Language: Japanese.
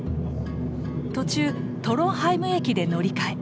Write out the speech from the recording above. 途中トロンハイム駅で乗り換え。